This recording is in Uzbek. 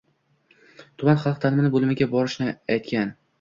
Tuman xalq ta’limi bo‘limiga borishni aytgan.